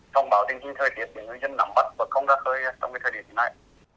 phong báo tình hình thời tiết để người dân nắm bắt và không ra khơi trong thời điểm này